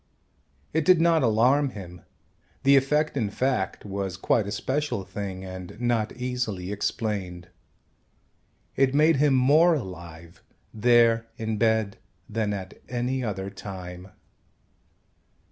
It did not alarm him. The effect in fact was quite a special thing and not easily explained. It made him more alive, there in bed, than at any other time.